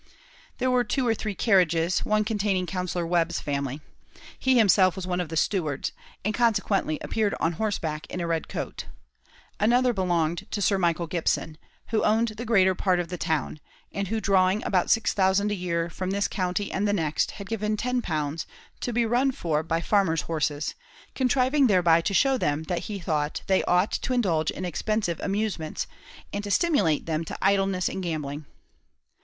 There were two or three carriages; one containing Counsellor Webb's family. He himself was one of the stewards, and, consequently appeared on horseback in a red coat. Another belonged to Sir Michael Gipson, who owned the greater part of the town, and who drawing about six thousand a year from this county and the next, had given ten pounds, to be run for by farmers' horses, contriving thereby to show them that he thought they ought to indulge in expensive amusements, and to stimulate them to idleness and gambling.